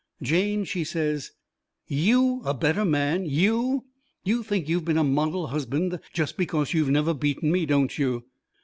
Jane, she says: "YOU a better man? YOU? You think you've been a model husband just because you've never beaten me, don't you?"